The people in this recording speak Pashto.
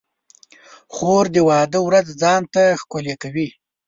خور د واده ورځ ځان ته ښکلې کوي.